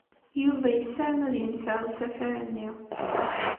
Yuba yessarem ad yenfeɛ usafar-nni.